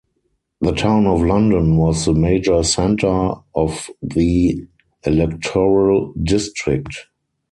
The town of London was the major centre of the electoral district.